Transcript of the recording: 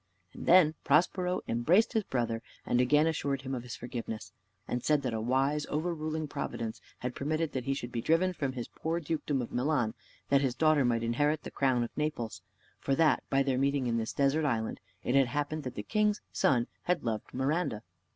And then Prospero embraced his brother, and again assured him of his forgiveness; and said that a wise overruling Providence had permitted that he should be driven from his poor dukedom of Milan, that his daughter might inherit the crown of Naples, for that by their meeting in this desert island, it had happened that the king's son had loved Miranda.